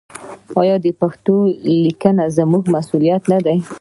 آیا د پښتو لیکل زموږ مسوولیت نه دی؟